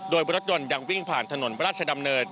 โดยรถยนต์ยังวิ่งผ่านถนนพระราชดำเนิน